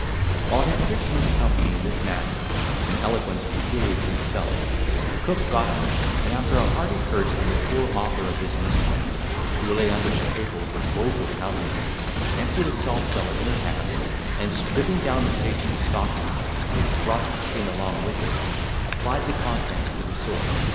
While he entertained the company in this manner, with an eloquence peculiar to himself, the cook got up, and after a hearty curse on the poor author of this mischance, who lay under the table with a woful countenance, emptied a salt cellar in her hand, and, stripping down the patient's stocking, which brought the skin along with it, applied the contents to the sore.